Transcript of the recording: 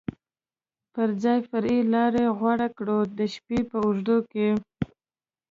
پر ځای فرعي لارې غوره کړو، د شپې په اوږدو کې.